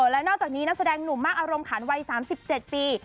และนอกจากนี้นักแสดงหนุ่มมากอารมณ์ขันวัย๓๗ปี